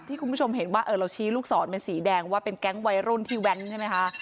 คุณผู้ชมเห็นว่าเราชี้ลูกศรเป็นสีแดงว่าเป็นแก๊งวัยรุ่นที่แว้นใช่ไหมคะ